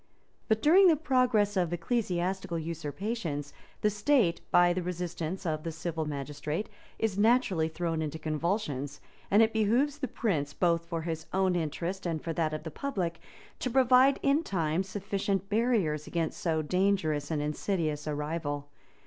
But during the progress of ecclesiastical usurpations, the state, by the resistance of the civil magistrate, is naturally thrown into convulsions; and it behoves the prince, both for his own interest and for that of the public, to provide in time sufficient barriers against so dangerous and insidious a rival.